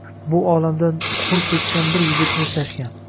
Bu olamdan hur ketgan bir yigitni eslashgan